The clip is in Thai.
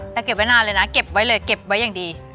แต่เก็บไว้นานเลยนะเก็บไว้เลยเก็บไว้อย่างดี